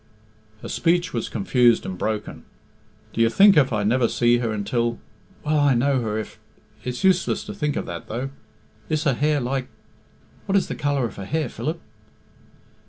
Her speech was confused and broken. "Do you think if I never see her until... Will I know her if... It's useless to think of that, though. Is her hair like... What is the colour of her hair, Philip?"